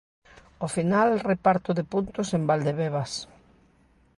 Ao final reparto de puntos en Valdebebas.